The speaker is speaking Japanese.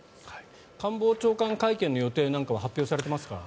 官房長官会見の予定なんかは発表されていますか？